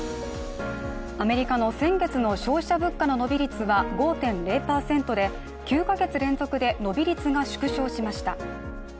アメリカの先月の消費者物価の伸び率は５．０％で９か月連続で伸び率が縮小しました。